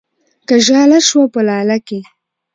که ژاله شوه په لاله کې